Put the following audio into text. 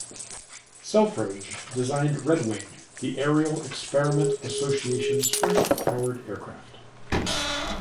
Selfridge designed "Red Wing", the Aerial Experiment Association's first powered aircraft.